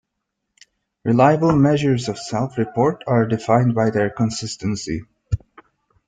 Reliable measures of self-report are defined by their consistency.